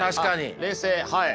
冷静はい。